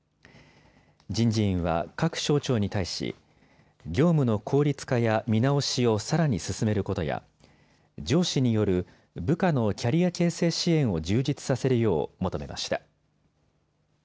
人事院は各省庁に対し業務の効率化や見直しをさらに進めることや上司による部下のキャリア形成支援を充実させるよう求めました。